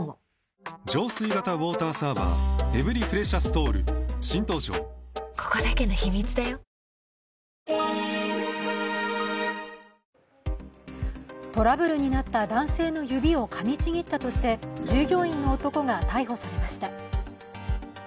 トラブルになった男性の指をかみちぎったとして従業員の男が逮捕されました。